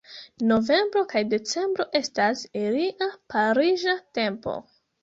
Novembro kaj decembro estas ilia pariĝa tempo.